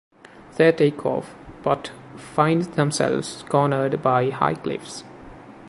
They take off, but find themselves cornered by high cliffs.